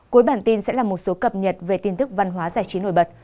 cuối bản tin sẽ là một số cập nhật về tin tức văn hóa giải trí nổi bật